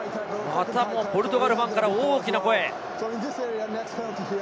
またもポルトガルファンから大きな声。